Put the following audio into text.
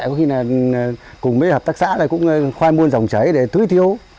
có khi là cùng với hợp tác xã cũng khoai muôn dòng cháy để tưới thiếu